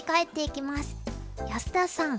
安田さん